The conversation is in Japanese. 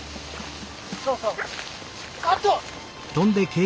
そうそうあっと！